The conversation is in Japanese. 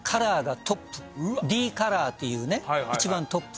Ｄカラーっていうね一番トップ。